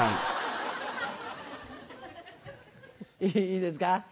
いいですか？